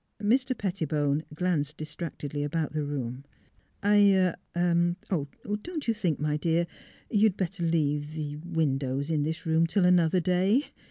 Mr. Pettibone glanced distractedly about the room. " I — er — don't you think, my dear, you'd bet ter leave the — er — windows in this room till an other day?